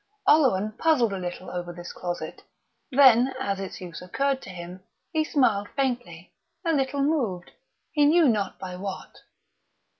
Oleron puzzled a little over this closet; then, as its use occurred to him, he smiled faintly, a little moved, he knew not by what....